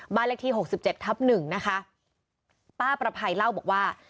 บ้านเลขที่๖๗ทับ๑นะคะป้าประภัยเล่าบอกว่า